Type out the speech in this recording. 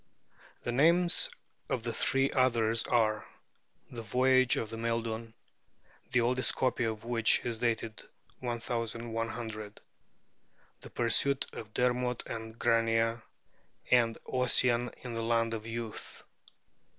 The names of the three others are 'The Voyage of Maeldun' (the oldest copy of which is dated 1100), 'The Pursuit of Dermot and Grania', and 'Ossian in the Land of Youth'.